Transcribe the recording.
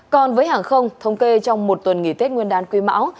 còn với hàng không thông kê trong một tuần nghỉ thiết nguyên đàn quy mảo